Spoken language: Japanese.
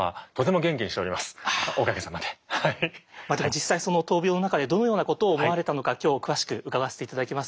また実際その闘病の中でどのようなことを思われたのか今日詳しく伺わせて頂きます。